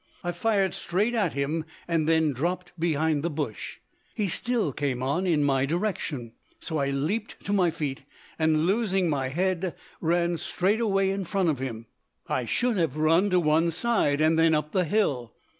I fired straight at him and then dropped behind the bush. He still came on and in my direction; so I leapt to my feet, and, losing my head, ran straight away in front of him. I should have run to one side and then up the hill.